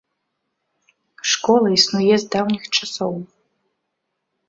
Школа існуе з даўніх часоў.